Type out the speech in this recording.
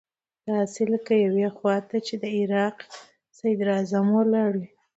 داسې لکه يوې خوا ته چې د عراق صدراعظم ولاړ وي.